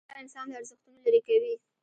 جګړه انسان له ارزښتونو لیرې کوي